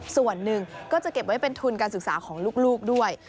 ส่วนหนึ่งก็จะเก็บไว้เป็นทุนการศึกษาของลูกด้วย